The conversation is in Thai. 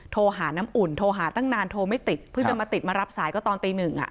โทรหาน้ำอุ่นโทรหาตั้งนานโทรไม่ติดเพิ่งจะมาติดมารับสายก็ตอนตีหนึ่ง